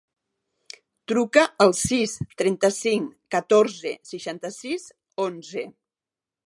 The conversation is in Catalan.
Truca al sis, trenta-cinc, catorze, seixanta-sis, onze.